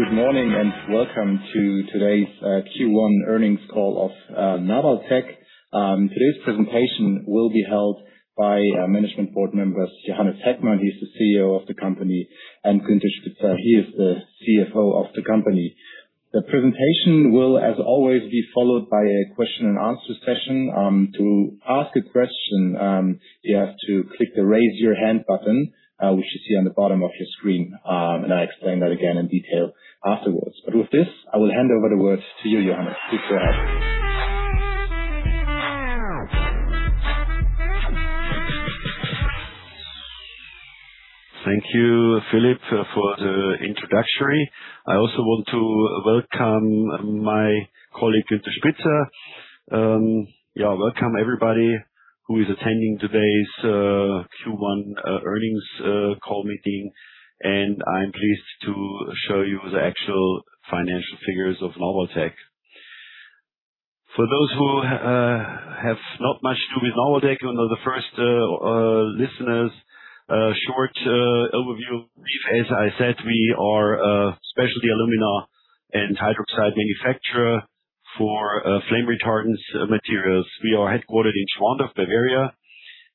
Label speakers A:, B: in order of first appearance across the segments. A: Good morning and welcome to today's Q1 earnings call of Nabaltec. Today's presentation will be held by management board members, Johannes Heckmann, he is the CEO of the company, and Günther Spitzer, he is the CFO of the company. The presentation will, as always, be followed by a question and answer session. To ask a question, you have to click the Raise Your Hand button, which you see on the bottom of your screen, I explain that again in detail afterwards. With this, I will hand over the words to you, Johannes. Please go ahead.
B: Thank you, Philip, for the introductory. I also want to welcome my colleague, Günther Spitzer. Welcome everybody who is attending today's Q1 earnings call meeting, I am pleased to show you the actual financial figures of Nabaltec. For those who have not much to do with Nabaltec and are the first listeners, a short overview. As I said, we are a Specialty Alumina and hydroxide manufacturer for flame retardant materials. We are headquartered in Schwandorf, Bavaria.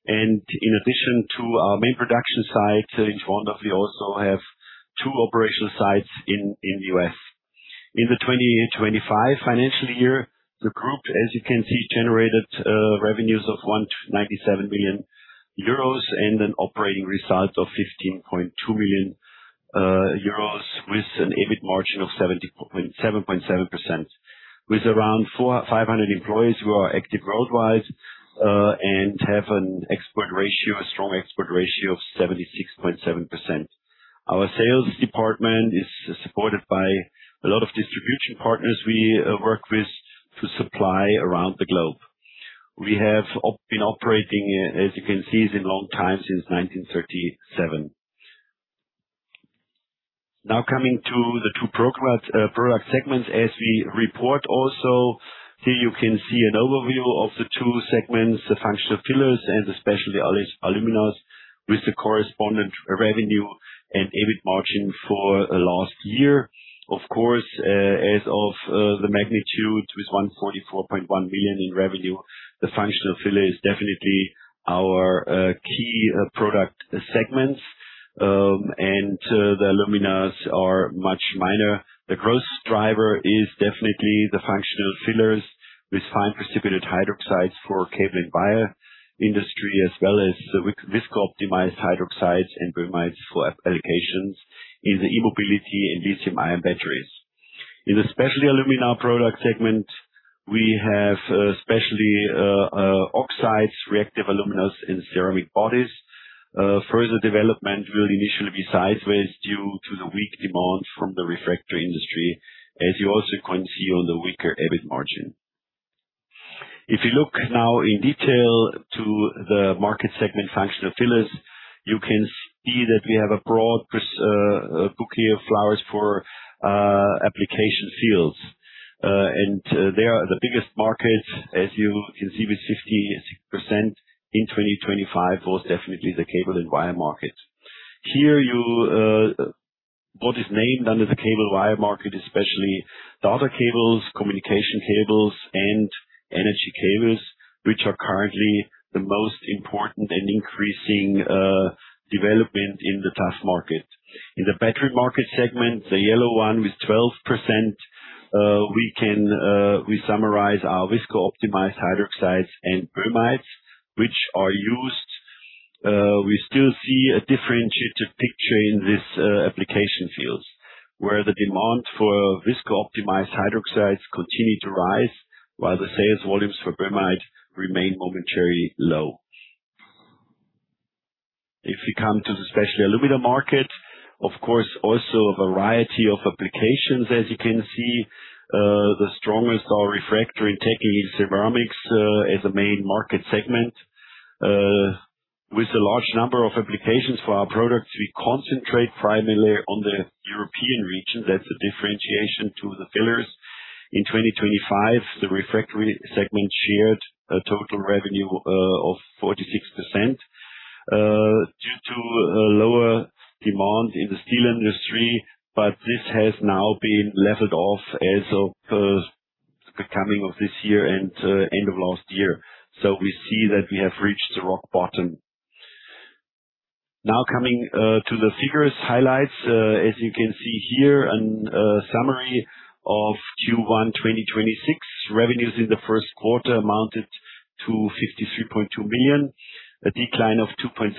B: In addition to our main production site in Schwandorf, we also have two operational sites in the U.S. In the 2025 financial year, the group, as you can see, generated revenues of 197 million euros and an operating result of 15.2 million euros, with an EBIT margin of 7.7%. With around 500 employees who are active worldwide have a strong export ratio of 76.7%. Our sales department is supported by a lot of distribution partners we work with to supply around the globe. We have been operating, as you can see, since long time, since 1937. Coming to the two product segments as we report also. Here you can see an overview of the two segments, the Functional Fillers and the Specialty Alumina with the correspondent revenue and EBIT margin for last year. Of course, as of the magnitude with 144.1 million in revenue, the Functional Fillers is definitely our key product segments, the Alumina are much minor. The growth driver is definitely the Functional Fillers with fine precipitated hydroxides for cable and wire industry, as well as visco-optimized hydroxides and boehmites for applications in the e-mobility and lithium-ion batteries. In the Specialty Alumina product segment, we have specialty oxides, reactive aluminas, and ceramic bodies. Further development will initially be sideways due to the weak demand from the refractory industry, as you also can see on the weaker EBIT margin. If you look now in detail to the market segment Functional Fillers, you can see that we have a broad bouquet of flowers for application fields. The biggest market, as you can see with 56% in 2025, was definitely the cable and wire market. Here, what is named under the cable and wire market, especially data cables, communication cables, and energy cables, which are currently the most important and increasing development in the tough market. In the battery market segment, the yellow one with 12%, we summarize our visco-optimized hydroxides and boehmites which are used. We still see a differentiated picture in this application fields where the demand for visco-optimized hydroxides continue to rise while the sales volumes for boehmite remain momentarily low. If you come to the Specialty Alumina market, of course, also a variety of applications as you can see. The strongest are refractory and technical ceramics as a main market segment. With a large number of applications for our products, we concentrate primarily on the European region. That's the differentiation to the fillers. In 2025, the refractory segment shared a total revenue of 46% due to lower demand in the steel industry, but this has now been leveled off as of the coming of this year and end of last year. We see that we have reached the rock bottom. Coming to the figures highlights. As you can see here, a summary of Q1 2026 revenues in the first quarter amounted to 53.2 million, a decline of 2.7%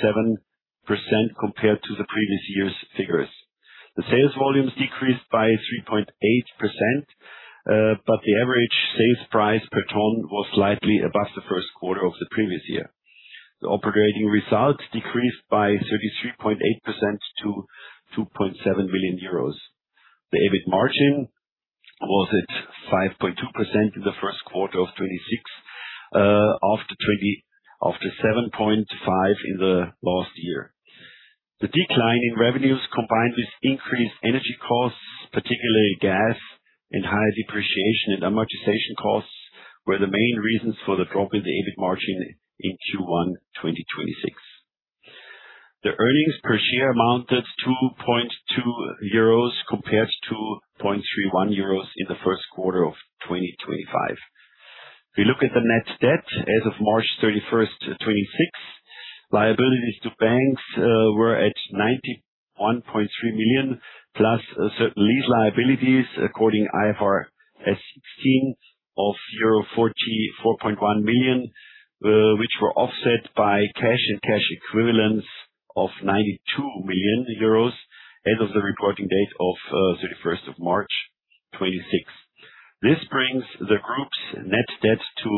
B: compared to the previous year's figures. The sales volumes decreased by 3.8%. The average sales price per ton was slightly above the first quarter of the previous year. The operating results decreased by 33.8% to 2.7 million euros. The EBIT margin was at 5.2% in the first quarter of 2026, after 7.5% in the last year. The decline in revenues, combined with increased energy costs, particularly gas and high depreciation and amortization costs, were the main reasons for the drop in the EBIT margin in Q1 2026. The earnings per share amounted to 0.20 euros compared to 0.31 euros in the first quarter of 2025. We look at the net debt as of March 31, 2026, liabilities to banks were at 91.3 million, plus certain lease liabilities according IFRS 16 of euro 44.1 million, which were offset by cash and cash equivalents of 92 million euros as of the reporting date of March 31, 2026. This brings the group's net debt to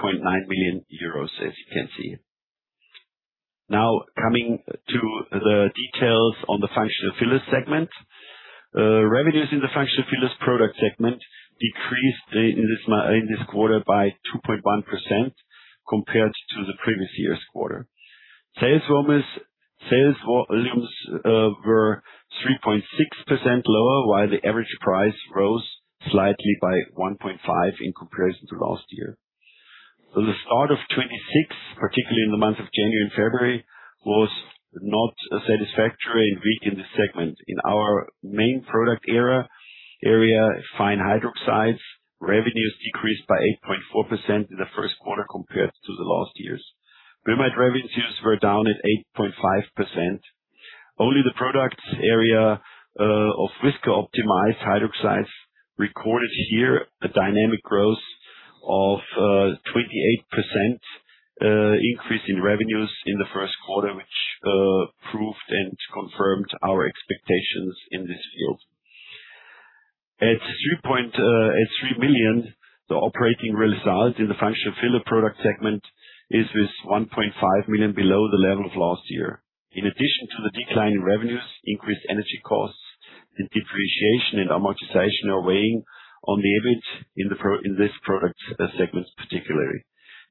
B: 3.9 million euros, as you can see. Coming to the details on the Functional Fillers segment. Revenues in the Functional Fillers product segment decreased in this quarter by 2.1% compared to the previous year's quarter. Sales volumes were 3.6% lower, while the average price rose slightly by 1.5% in comparison to last year. The start of 2026, particularly in the month of January and February, was not satisfactory and weak in this segment. In our main product area, Fine hydroxides, revenues decreased by 8.4% in the first quarter compared to the last year's. Boehmite revenues were down at 8.5%. Only the products area of Viscosity Optimized Hydroxides recorded here a dynamic growth of 28% increase in revenues in the first quarter, which proved and confirmed our expectations in this field. At 3 million, the operating result in the Functional Fillers product segment is 1.5 million below the level of last year. In addition to the decline in revenues, increased energy costs and depreciation and amortization are weighing on the EBIT in this product segment particularly.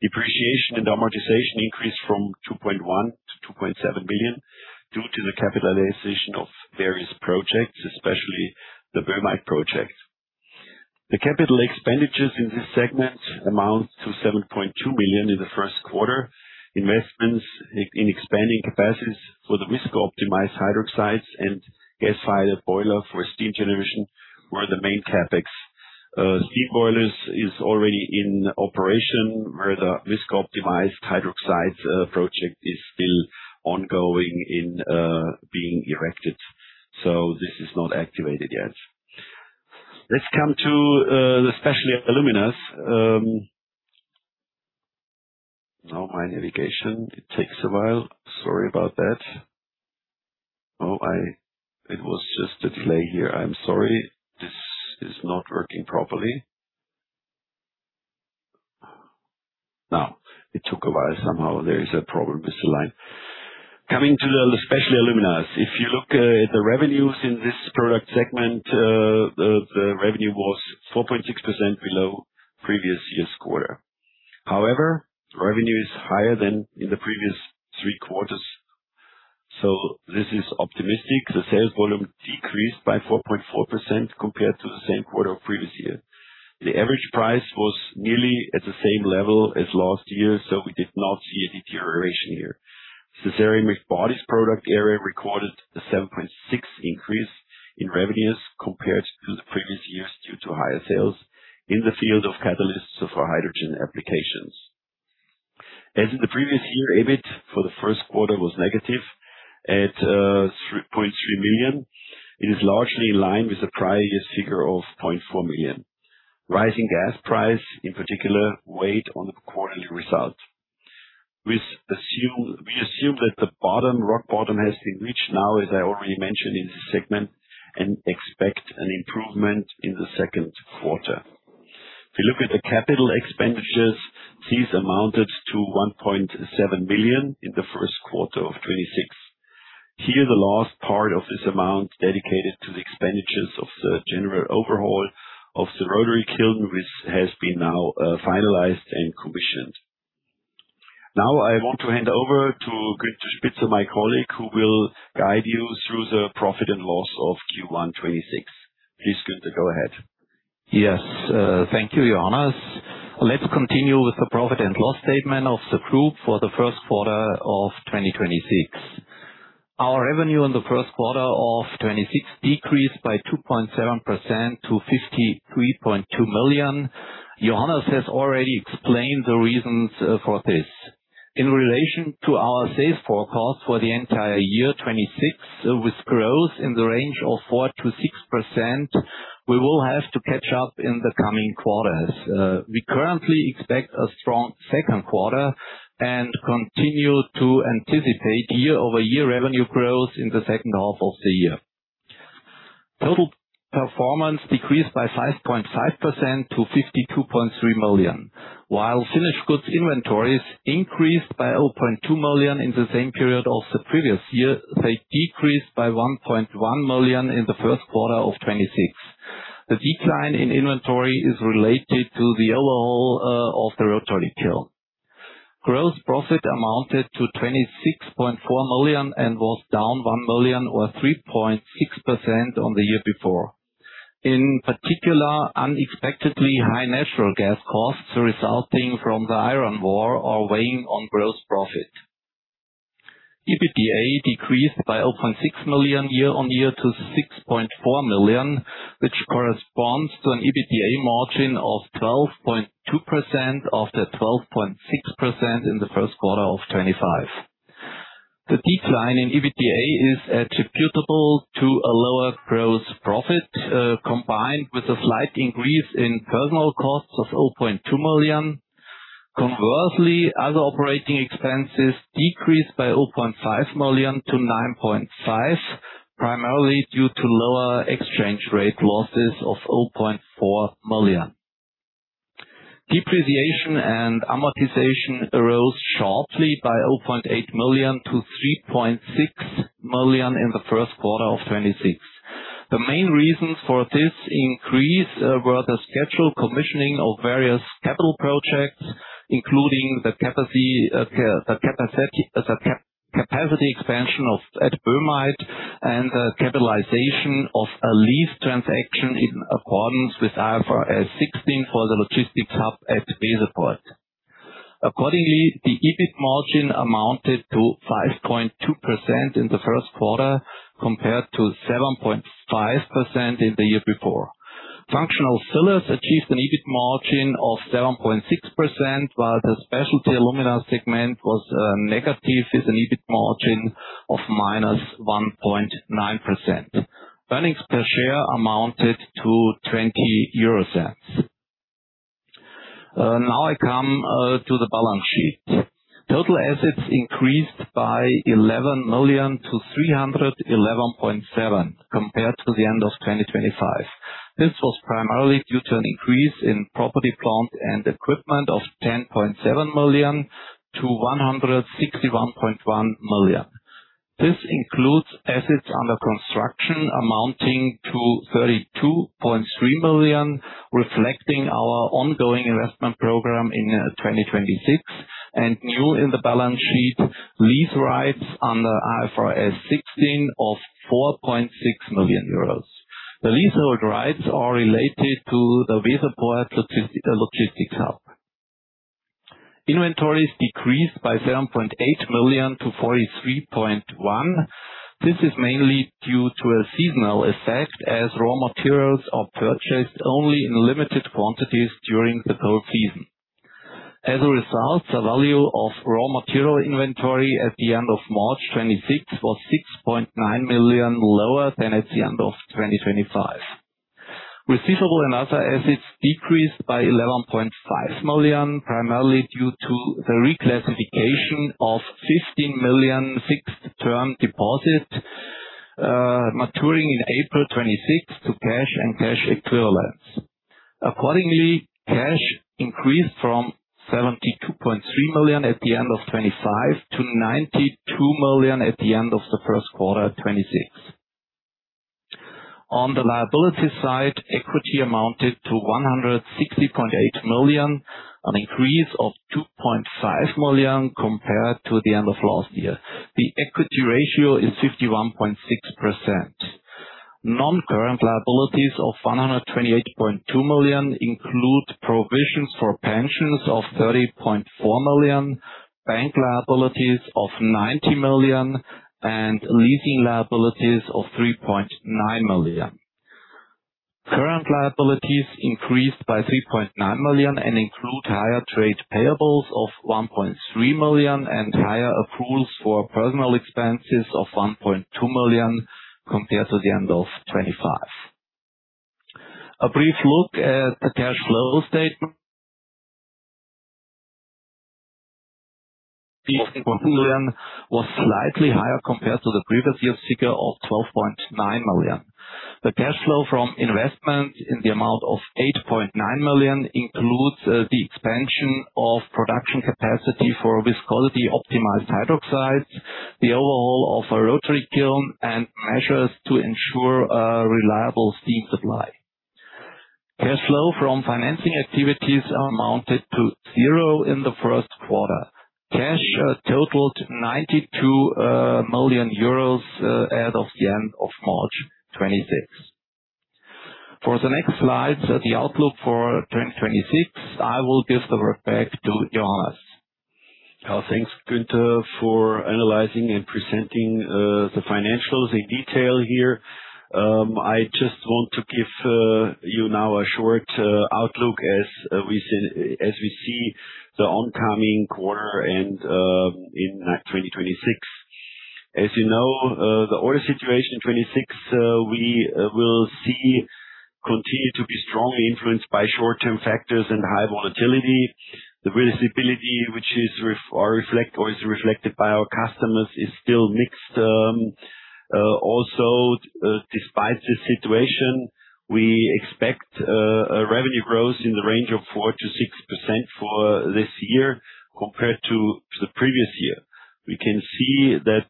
B: Depreciation and amortization increased from 2.1 million to 2.7 million due to the capitalization of various projects, especially the Boehmite project. The capital expenditures in this segment amount to 7.2 million in the first quarter. Investments in expanding capacities for the Viscosity Optimized Hydroxides and gas-fired boiler for steam generation were the main CapEx. Steam boilers is already in operation where the Viscosity Optimized Hydroxides project is still ongoing in being erected. This is not activated yet. Let's come to the Specialty Aluminas. My navigation, it takes a while. Sorry about that. It was just a delay here. I'm sorry. This is not working properly. It took a while somehow. There is a problem with the line. Coming to the Specialty Alumina. Revenue in this product segment was 4.6% below previous year's quarter. Revenue is higher than in the previous three quarters, so this is optimistic. The sales volume decreased by 4.4% compared to the same quarter of previous year. The average price was nearly at the same level as last year, so we did not see a deterioration here. The ceramic bodies product area recorded a 7.6% increase in revenues compared to the previous years due to higher sales in the field of catalysts for hydrogen applications. As in the previous year, EBIT for the first quarter was at -0.3 million. It is largely in line with the prior year's figure of 0.4 million. Rising gas price, in particular, weighed on the quarterly result. We assume that the rock bottom has been reached now, as I already mentioned in this segment, and expect an improvement in the second quarter. If you look at the capital expenditures, these amounted to 1.7 million in the first quarter of 2026. Here, the last part of this amount dedicated to the expenditures of the general overhaul of the rotary kiln, which has been now finalized and commissioned. I want to hand over to Günther Spitzer, my colleague, who will guide you through the profit and loss of Q1 2026. Please, Günther, go ahead.
C: Yes. Thank you, Johannes. Let's continue with the profit and loss statement of the group for the first quarter of 2026. Our revenue in the first quarter of 2026 decreased by 2.7% to 53.2 million. Johannes has already explained the reasons for this. In relation to our sales forecast for the entire year 2026, with growth in the range of 4%-6%, we will have to catch up in the coming quarters. We currently expect a strong second quarter and continue to anticipate year-over-year revenue growth in the second half of the year. Total performance decreased by 5.5% to 52.3 million, while finished goods inventories increased by 0.2 million in the same period of the previous year, they decreased by 1.1 million in the first quarter of 2026. The decline in inventory is related to the overhaul of the rotary kiln. Gross profit amounted to 26.4 million and was down 1 million or 3.6% on the year before. In particular, unexpectedly high natural gas costs resulting from the Iran war are weighing on gross profit. EBITDA decreased by 0.6 million year on year to 6.4 million, which corresponds to an EBITDA margin of 12.2% after 12.6% in the first quarter of 2025. The decline in EBITDA is attributable to a lower gross profit, combined with a slight increase in personnel costs of 0.2 million. Other operating expenses decreased by 0.5 million to 9.5 million, primarily due to lower exchange rate losses of 0.4 million. Depreciation and amortization arose sharply by 0.8 million to 3.6 million in the first quarter of 2026. The main reasons for this increase were the scheduled commissioning of various capital projects, including the capacity expansion at Burmagt and the capitalization of a lease transaction in accordance with IFRS 16 for the logistics hub at Weserport. Accordingly, the EBIT margin amounted to 5.2% in the first quarter, compared to 7.5% in the year before. Functional Fillers achieved an EBIT margin of 7.6%, while the Specialty Alumina segment was negative with an EBIT margin of -1.9%. Earnings per share amounted to 0.20. Now I come to the balance sheet. Total assets increased by 11 million to 311.7 million compared to the end of 2025. This was primarily due to an increase in property, plant and equipment of 10.7 million to 161.1 million. This includes assets under construction amounting to 32.3 million, reflecting our ongoing investment program in 2026, and new in the balance sheet, lease rights under IFRS 16 of 4.6 million euros. The leasehold rights are related to the Weserport logistics hub. Inventories decreased by 7.8 million to 43.1 million. This is mainly due to a seasonal effect, as raw materials are purchased only in limited quantities during the cold season. As a result, the value of raw material inventory at the end of March 2026 was 6.9 million lower than at the end of 2025. Receivables and other assets decreased by 11.5 million, primarily due to the reclassification of 15 million fixed-term deposit, maturing in April 2026 to cash and cash equivalents. Accordingly, cash increased from 72.3 million at the end of 2025 to 92 million at the end of the first quarter 2026. On the liability side, equity amounted to 160.8 million, an increase of 2.5 million compared to the end of last year. The equity ratio is 51.6%. Non-current liabilities of 128.2 million include provisions for pensions of 30.4 million, bank liabilities of 90 million and leasing liabilities of 3.9 million. Current liabilities increased by 3.9 million and include higher trade payables of 1.3 million and higher accruals for personnel expenses of 1.2 million compared to the end of 2025. A brief look at the cash flow statement. million was slightly higher compared to the previous year's figure of 12.9 million. The cash flow from investment in the amount of 8.9 million includes the expansion of production capacity for viscosity optimized hydrates, the overhaul of a rotary kiln, and measures to ensure a reliable steam supply. Cash flow from financing activities amounted to 0 in the first quarter. Cash totaled 92 million euros as of the end of March 2026. For the next slides, the outlook for 2026, I will give the work back to Johannes.
B: Thanks, Günther, for analyzing and presenting the financials in detail here. I just want to give you now a short outlook as we see the oncoming quarter and in 2026. As you know, the order situation 2026, we will see continue to be strongly influenced by short-term factors and high volatility. The visibility, which is reflected by our customers, is still mixed. Also, despite this situation, we expect a revenue growth in the range of 4%-6% for this year compared to the previous year. We can see that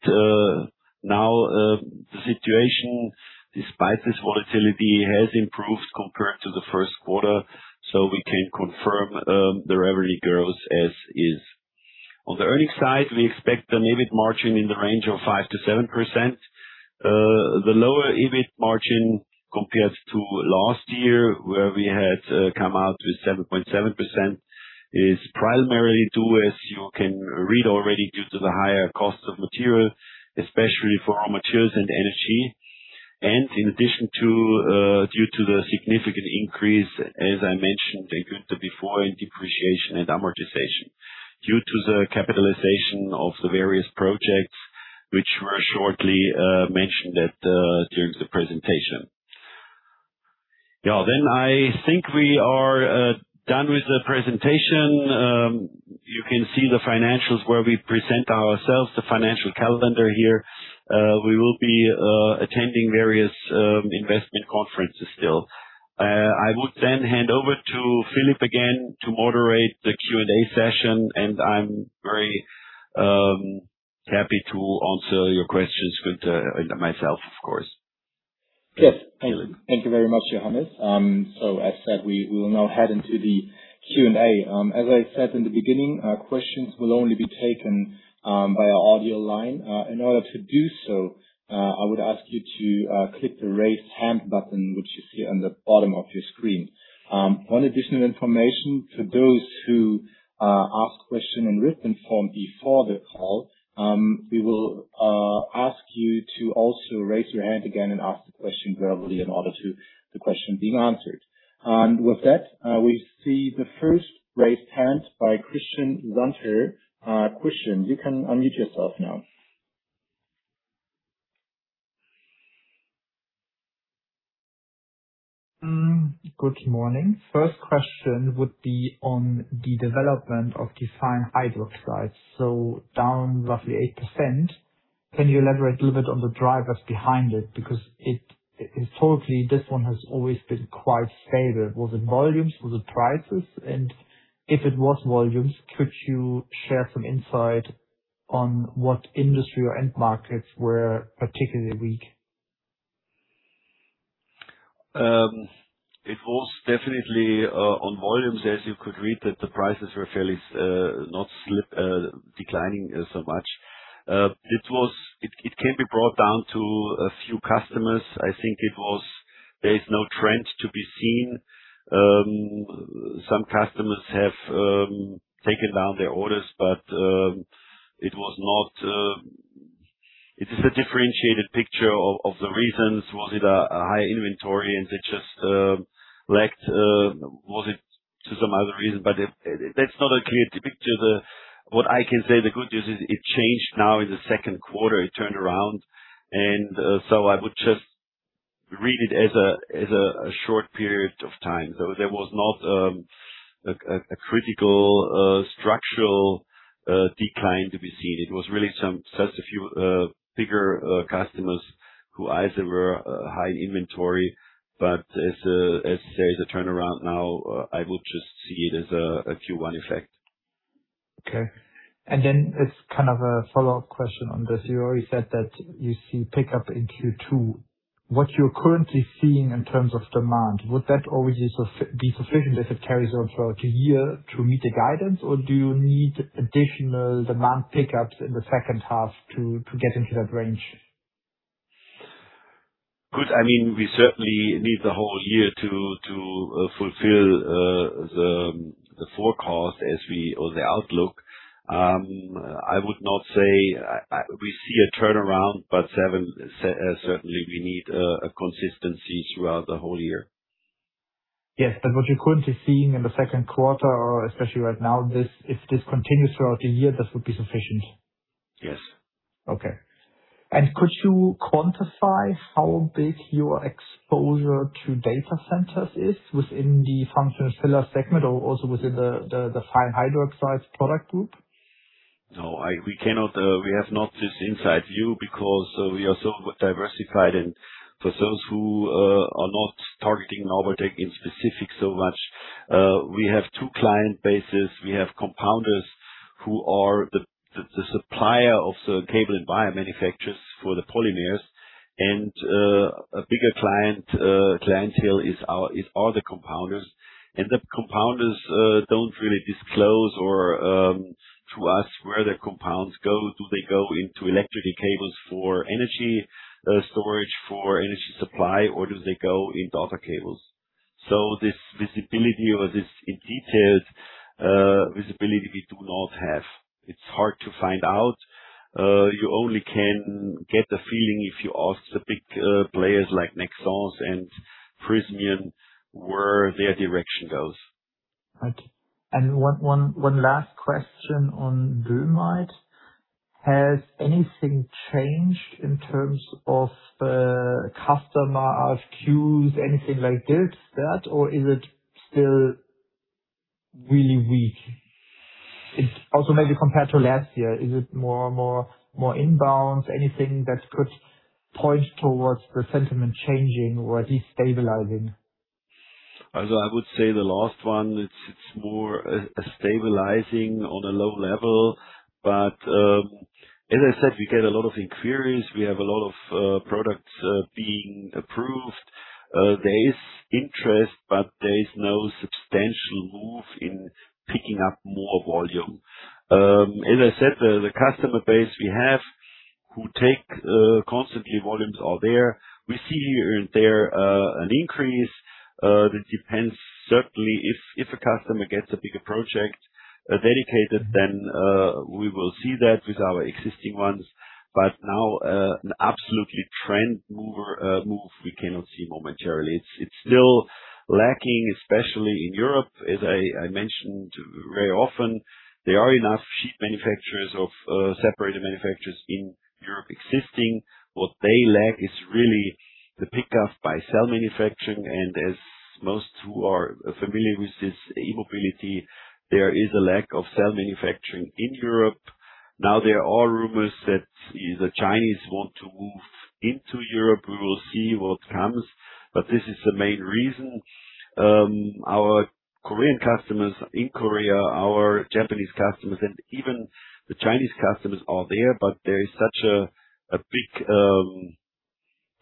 B: now the situation, despite this volatility, has improved compared to the first. We can confirm the revenue growth as is. On the earnings side, we expect an EBIT margin in the range of 5%-7%. The lower EBIT margin compares to last year, where we had come out with 7.7%, is primarily due, as you can read already, due to the higher cost of material, especially for raw materials and energy. In addition to, due to the significant increase, as I mentioned before in depreciation and amortization, due to the capitalization of the various projects, which were shortly mentioned during the presentation. I think we are done with the presentation. You can see the financials where we present ourselves, the financial calendar here. We will be attending various investment conferences still. I would hand over to Philip again to moderate the Q&A session, and I am very happy to answer your questions myself, of course.
A: Yes. Thank you very much, Johannes. As said, we will now head into the Q&A. As I said in the beginning, questions will only be taken via audio line. In order to do so, I would ask you to click the Raise Hand button, which you see on the bottom of your screen. One additional information, for those who ask question in written form before the call, we will ask you to also raise your hand again and ask the question verbally in order to the question being answered. With that, we see the first raised hand by Christian Santer. Christian, you can unmute yourself now.
D: Good morning. First question would be on the development of fine precipitated hydroxides, down roughly 8%. Can you elaborate a little bit on the drivers behind it? Historically, this one has always been quite stable. Was it volumes? Was it prices? If it was volumes, could you share some insight on what industry or end markets were particularly weak?
B: It was definitely on volumes, as you could read that the prices were fairly not declining so much. It can be brought down to a few customers. I think there is no trend to be seen. Some customers have taken down their orders, but it is a differentiated picture of the reasons. Was it a high inventory and they just lacked? Was it to some other reason? That's not a clear picture. What I can say, the good news is it changed now in the second quarter, it turned around. I would just read it as a short period of time. There was not a critical structural decline to be seen. It was really just a few bigger customers who either were high inventory, but as said, a turnaround now, I would just see it as a Q1 effect.
D: Okay. As kind of a follow-up question on this, you already said that you see pickup in Q2. What you're currently seeing in terms of demand, would that already be sufficient if it carries on throughout the year to meet the guidance, or do you need additional demand pickups in the second half to get into that range?
B: Good. We certainly need the whole year to fulfill the forecast or the outlook. I would not say we see a turnaround, but certainly we need a consistency throughout the whole year.
D: Yes. What you're currently seeing in the second quarter, or especially right now, if this continues throughout the year, that would be sufficient?
B: Yes.
D: Okay. Could you quantify how big your exposure to data centers is within the Functional Fillers segment, or also within the fine precipitated hydroxides product group?
B: No. We have not this inside view because we are so diversified and for those who are not targeting Nabaltec in specific so much, we have two client bases. We have compounders who are the supplier of the cable and wire manufacturers for the polymers, and a bigger clientele is all the compounders. The compounders don't really disclose to us where the compounds go. Do they go into electricity cables for energy storage, for energy supply, or do they go in data cables? This visibility or this detailed visibility, we do not have. It's hard to find out. You only can get a feeling if you ask the big players like Nexans and Prysmian where their direction goes.
D: Right. One last question on boehmite. Has anything changed in terms of customer RFQs, anything like that, or is it still really weak? Also maybe compared to last year, is it more inbounds? Anything that could point towards the sentiment changing or at least stabilizing?
B: I would say the last one, it's more stabilizing on a low level. As I said, we get a lot of inquiries. We have a lot of products being approved. There is interest, but there is no substantial move in picking up more volume. As I said, the customer base we have who take constantly volumes are there. We see here and there an increase. That depends certainly if a customer gets a bigger project dedicated, then we will see that with our existing ones. Now, an absolutely trend move we cannot see momentarily. It's still lacking, especially in Europe, as I mentioned very often. There are enough sheet manufacturers or separator manufacturers in Europe existing. What they lack is really the pickup by cell manufacturing, and as most who are familiar with this e-mobility, there is a lack of cell manufacturing in Europe. There are rumors that the Chinese want to move into Europe. We will see what comes, this is the main reason our Korean customers in Korea, our Japanese customers, and even the Chinese customers are there is such a big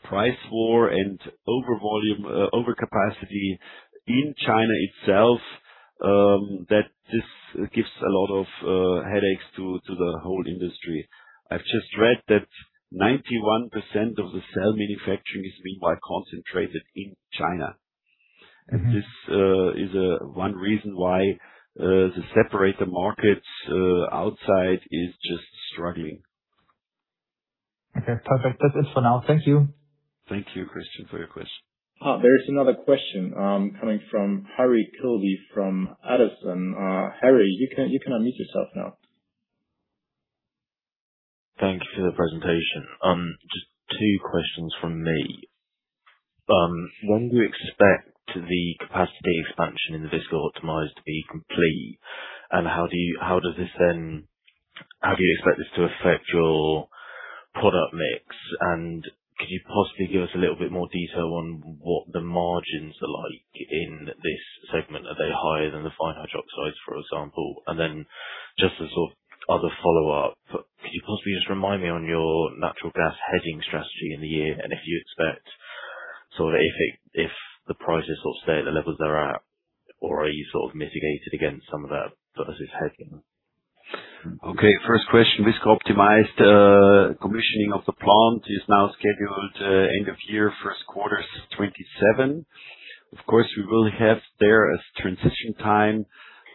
B: price war and overcapacity in China itself, that this gives a lot of headaches to the whole industry. I've just read that 91% of the cell manufacturing is meanwhile concentrated in China. This is one reason why the separator markets outside is just struggling.
D: Perfect. That's it for now. Thank you.
B: Thank you, Christian, for your question.
A: There is another question coming from Harry Kilby from Addison. Harry, you can unmute yourself now.
E: Thank you for the presentation. Just two questions from me. When do you expect the capacity expansion in the viscosity optimized to be complete? How do you expect this to affect your product mix? Could you possibly give us a little bit more detail on what the margins are like in this segment? Are they higher than the fine hydroxides, for example? Just a sort of other follow-up, could you possibly just remind me on your natural gas hedging strategy in the year, if you expect the prices will stay at the levels they're at, or are you sort of mitigated against some of that versus hedging?
B: Okay. First question, viscosity optimized. Commissioning of the plant is now scheduled end of year, first quarter 2027. Of course, we will have there a transition time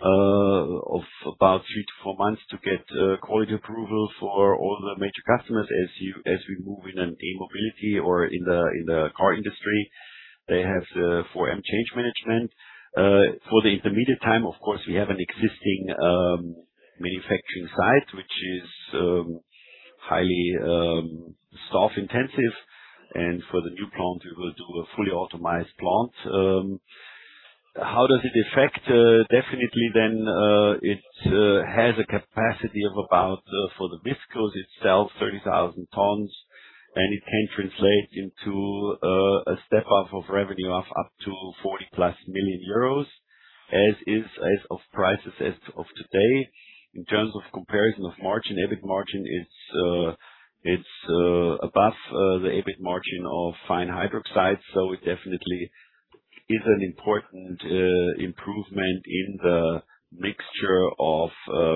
B: of about three to four months to get quality approval for all the major customers as we move in an e-mobility or in the car industry. They have 4M change management. For the intermediate time, of course, we have an existing manufacturing site, which is highly staff intensive, and for the new plant, we will do a fully optimized plant. How does it affect? Definitely, it has a capacity of about, for the viscosity itself, 30,000 tons, and it can translate into a step-up of revenue of up to 40-plus million euros, as of prices as of today. In terms of comparison of margin, EBIT margin, it's above the EBIT margin of fine hydroxide. It definitely is an important improvement in the mixture of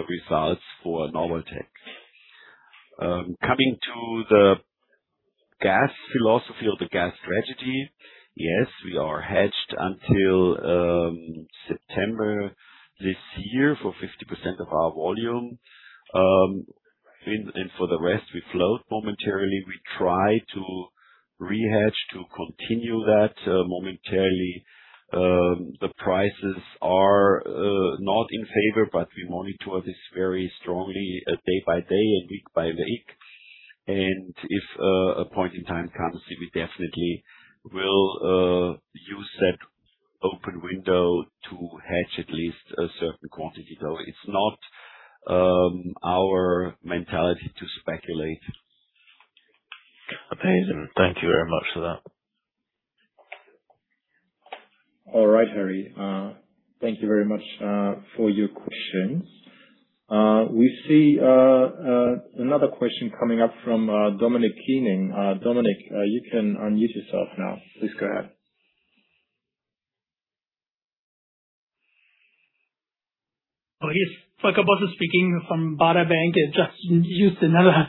B: results for Nabaltec. Coming to the gas philosophy or the gas strategy. Yes, we are hedged until September this year for 50% of our volume. For the rest, we float momentarily. We try to re-hedge to continue that momentarily. The prices are not in favor, we monitor this very strongly day by day and week by week. If a point in time comes, we definitely will use that open window to hedge at least a certain quantity, though it's not our mentality to speculate.
E: Amazing. Thank you very much for that.
A: All right, Harry. Thank you very much for your questions. We see another question coming up from Dominik Keining. Dominik, you can unmute yourself now. Please go ahead.
F: Okay. Volker Bosse speaking from Baader Bank. I just used another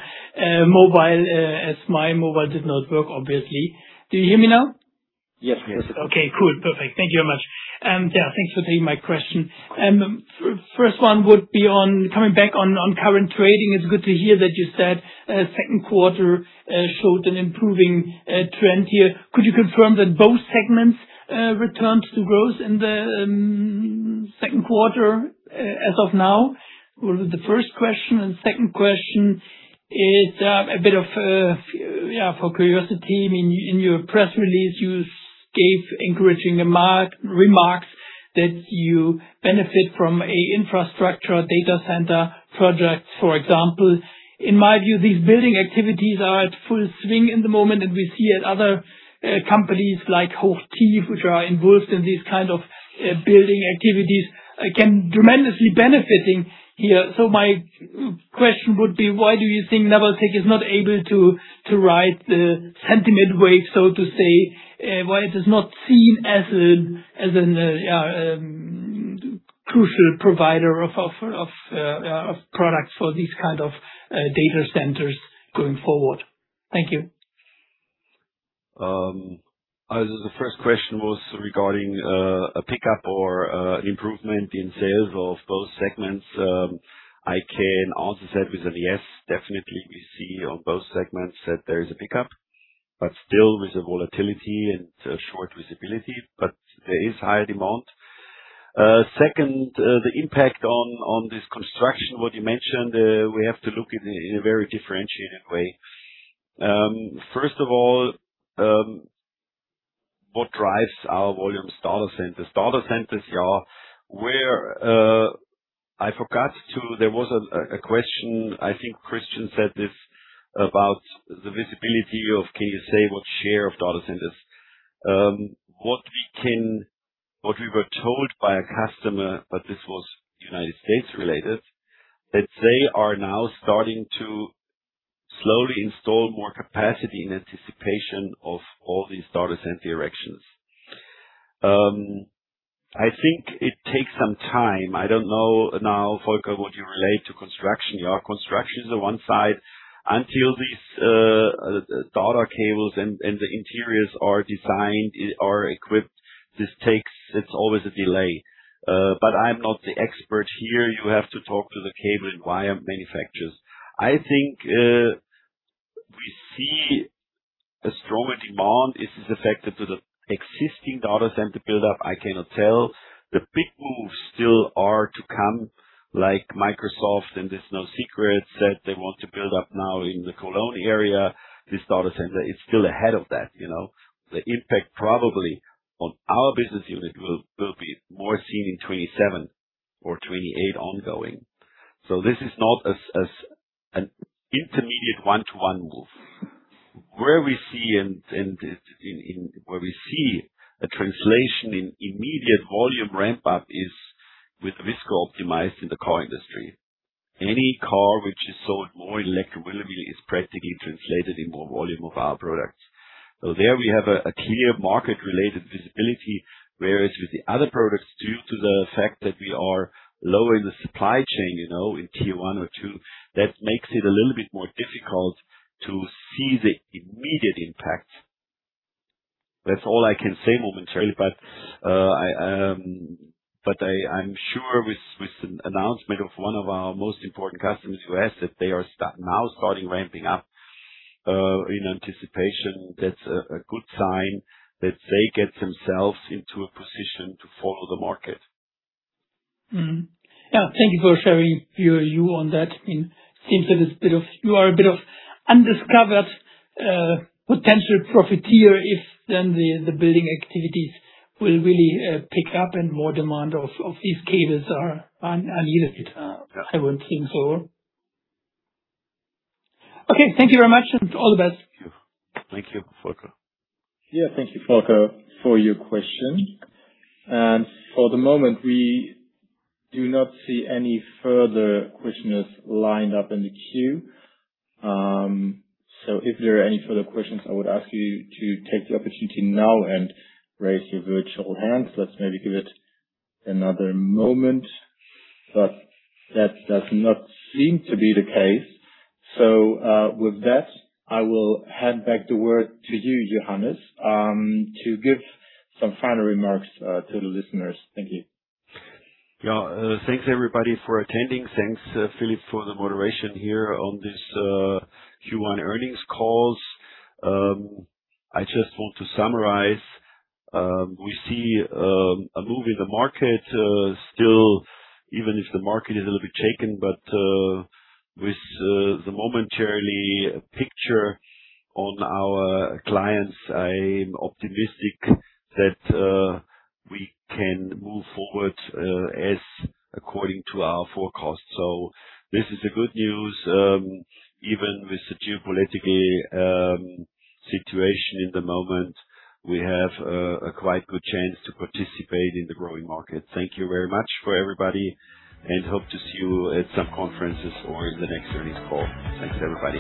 F: mobile, as my mobile did not work, obviously. Do you hear me now?
B: Yes, we do.
F: Okay, cool. Perfect. Thank you very much. Yeah, thanks for taking my question. First one would be coming back on current trading. It's good to hear that you said second quarter showed an improving trend here. Could you confirm that both segments returned to growth in the second quarter as of now? The first question, second question is a bit of for curiosity. In your press release, you gave encouraging remarks that you benefit from a infrastructure data center project, for example. In my view, these building activities are at full swing in the moment, we see it other companies like Hochtief, which are involved in these kind of building activities, again, tremendously benefiting here. My question would be, why do you think Nabaltec is not able to ride the sentiment wave, so to say? Why it is not seen as a crucial provider of products for these kind of data centers going forward? Thank you.
B: The first question was regarding a pickup or an improvement in sales of both segments. I can answer that with a yes. Definitely, we see on both segments that there is a pickup, but still with the volatility and short visibility, but there is high demand. Second, the impact on this construction, what you mentioned, we have to look at it in a very differentiated way. First of all, what drives our volume is data centers. Data centers are where there was a question, I think Christian said this, about the visibility of can you say what share of data centers. What we were told by a customer, but this was U.S. related, that they are now starting to slowly install more capacity in anticipation of all these data center erections. I think it takes some time. I don't know now, Volker, what you relate to construction. Construction is on one side. Until these data cables and the interiors are designed, are equipped, there's always a delay. I'm not the expert here. You have to talk to the cable and wire manufacturers. I think we see a stronger demand. Is this affected to the existing data center build-up? I cannot tell. The big moves still are to come, like Microsoft, it's no secret that they want to build up now in the Cologne area, this data center. It's still ahead of that. The impact probably on our business unit will be more seen in 2027 or 2028 ongoing. This is not as an intermediate one-to-one move. Where we see a translation in immediate volume ramp up is with viscosity optimized in the car industry. Any car which is sold more e-mobility is practically translated in more volume of our products. There we have a clear market related visibility, whereas with the other products, due to the fact that we are lower in the supply chain, in tier 1 or 2, that makes it a little bit more difficult to see the immediate impact. That's all I can say momentarily, but I'm sure with an announcement of one of our most important customers, U.S., that they are now starting ramping up in anticipation. That's a good sign that they get themselves into a position to follow the market.
F: Mm-hmm. Thank you for sharing your view on that. It seems that you are a bit of undiscovered potential profiteer if then the building activities will really pick up and more demand of these cables are needed. I would think so. Okay, thank you very much, and all the best.
B: Thank you, Volker.
A: Yeah, thank you, Volker, for your question. For the moment, we do not see any further questions lined up in the queue. If there are any further questions, I would ask you to take the opportunity now and raise your virtual hands. Let's maybe give it another moment. That does not seem to be the case. With that, I will hand back the word to you, Johannes, to give some final remarks to the listeners. Thank you.
B: Yeah. Thanks everybody for attending. Thanks, Philip, for the moderation here on this Q1 earnings call. I just want to summarize. We see a move in the market still, even if the market is a little bit shaken. With the momentarily picture on our clients, I am optimistic that we can move forward as according to our forecast. This is a good news. Even with the geopolitical situation in the moment, we have a quite good chance to participate in the growing market. Thank you very much for everybody, and hope to see you at some conferences or in the next earnings call. Thanks, everybody.